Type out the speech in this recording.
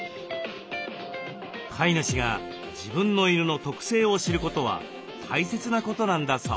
飼い主が自分の犬の特性を知ることは大切なことなんだそう。